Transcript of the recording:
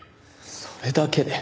それだけで。